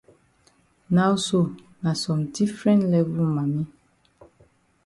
Now so na some different level mami.